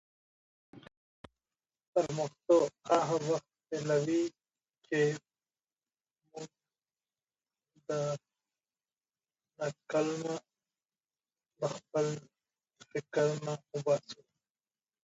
پرمختګ هغه وخت پیلېږي چې موږ د ناممکن کلمه له خپل فکره وباسو.